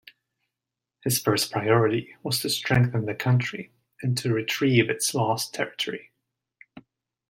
His first priority was to strengthen the country and to retrieve its lost territory.